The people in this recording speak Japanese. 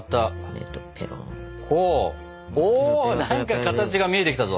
お何か形が見えてきたぞ！